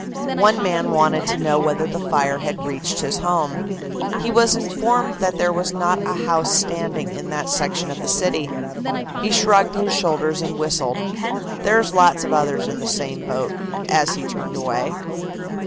One man wanted to know whether the fire had reached his home. He was informed that there was not a house standing in that section of the city. He shrugged his shoulders and whistled. "There's lots of others in the same boat," as he turned away.